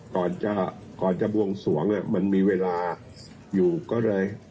ก่อนจะก่อนจะบวงสวงมันมีเวลาอยู่ก็เลย